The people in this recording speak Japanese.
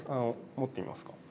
持ってみますか？